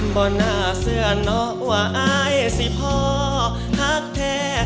บ่นหน้าเสื้อหน้าว่าไอ้สี่พ่อหักแท้